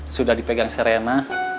sudah dipegang serena